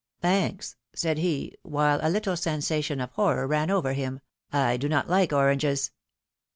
'^Thanks!" said he, while a little sensation of horror ran over him ; I do not like oranges."